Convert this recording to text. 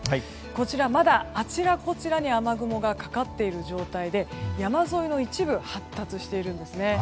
こちら、まだあちらこちらに雨雲がかかっている状態で山沿いの一部発達しているんですね。